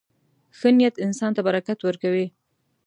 • ښه نیت انسان ته برکت ورکوي.